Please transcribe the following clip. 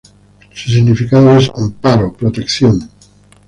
Su significado es "amparo, protección".